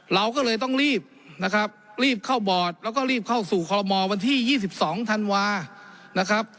เราก็เลยต้องรีบนะครับรีบเข้าบอร์ดแล้วก็รีบเข้าสู่คอลโมวันที่๒๒ธันวานะครับ